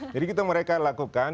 jadi kita mereka lakukan